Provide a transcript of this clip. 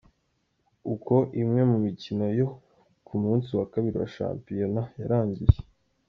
Uko imwe mu mikino yo ku munsi wa Kabiri wa Shampiyona yarangiye:.